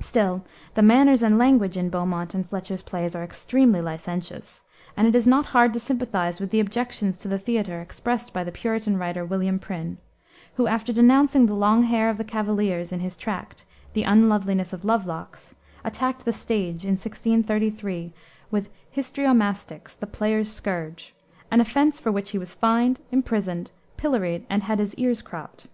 Still the manners and language in Beaumont and Fletcher's plays are extremely licentious, and it is not hard to sympathize with the objections to the theater expressed by the Puritan writer, William Prynne, who, after denouncing the long hair of the cavaliers in his tract, The Unloveliness of Lovelocks, attacked the stage, in 1633, with Histrio mastix: the Player's Scourge; an offense for which he was fined, imprisoned, pilloried, and had his ears cropped.